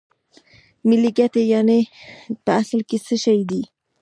ملي ګټې یانې په اصل کې څه شی دي